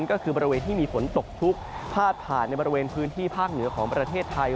ก็คือบริเวณที่มีฝนตกชุกพาดผ่านในบริเวณพื้นที่ภาคเหนือของประเทศไทย